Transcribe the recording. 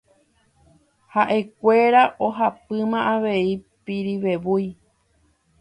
Haʼekuéra ohapýma avei Pirivevúi.